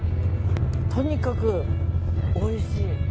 とにかくおいしい。